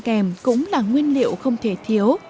các loại rau ăn kèm cũng là nguyên liệu không thể thiếu